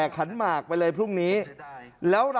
การเงินมันมีฝ่ายฮะ